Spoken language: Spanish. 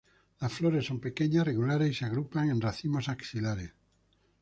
Las flores son pequeñas, regulares y se agrupan en racimos axilares.